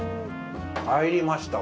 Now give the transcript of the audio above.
参りました。